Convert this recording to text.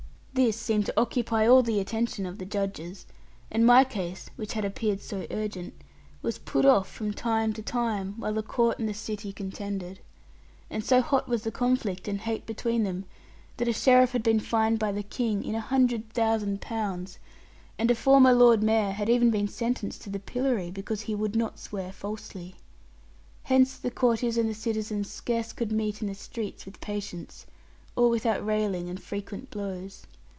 This seemed to occupy all the attention of the judges, and my case (which had appeared so urgent) was put off from time to time, while the Court and the City contended. And so hot was the conflict and hate between them, that a sheriff had been fined by the King in 100,000 pounds, and a former lord mayor had even been sentenced to the pillory, because he would not swear falsely. Hence the courtiers and the citizens scarce could meet in the streets with patience, or without railing and frequent blows.